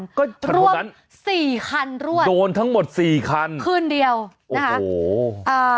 ก็ทั้งสองนั้นรวม๔คันรวดโดนทั้งหมด๔คันคืนเดียวโอ้โห